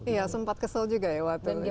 iya sempat kesel juga ya waktu itu